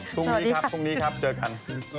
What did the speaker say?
พรุ่งนี้ครับพรุ่งนี้ครับเจอกัน